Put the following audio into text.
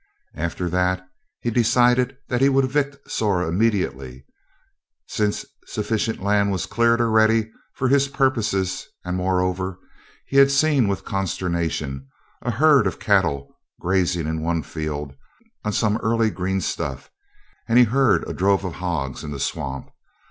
After that he decided that he would evict Zora immediately; since sufficient land was cleared already for his purposes and moreover, he had seen with consternation a herd of cattle grazing in one field on some early green stuff, and heard a drove of hogs in the swamp.